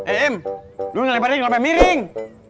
eh im dulu ngeleparin ngelompat miring